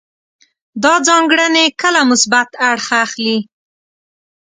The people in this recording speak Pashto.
دا ځانګړنې کله مثبت اړخ اخلي.